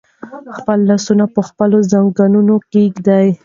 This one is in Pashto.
خپل لاسونه په خپلو زنګونونو کېږدئ.